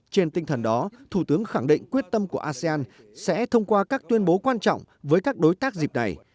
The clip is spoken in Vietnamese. trên tinh thần đó thủ tướng khẳng định quyết tâm của asean sẽ thông qua các tuyên bố quan trọng với các đối tác dịp này